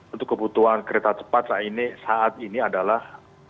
untuk kebutuhan kereta cepat saat ini adalah